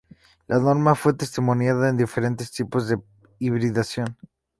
La norma fue testimoniada en diferentes tipos de hibridación.